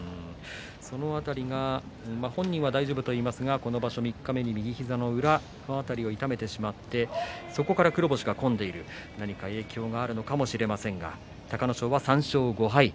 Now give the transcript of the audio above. その辺り、本人は大丈夫と言いますが、この場所三日目に右膝の辺りを痛めてしまってそこから黒星が込んでいる影響があるのかもしれません。